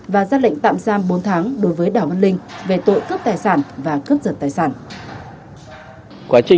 và ra lệnh tạm giam bốn tháng đối với đảo văn linh về tội cướp tài sản và cướp giật tài sản